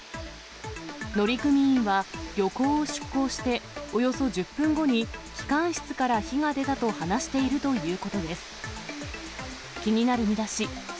乗組員は漁港を出港しておよそ１０分後に、機関室から火が出たと話しているということです。